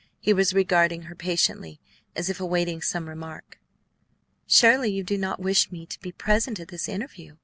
He was regarding her patiently, as if awaiting some remark. "Surely you do not wish me to be present at this interview?"